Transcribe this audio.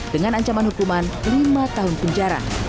dengan ancaman hukuman lima tahun penjara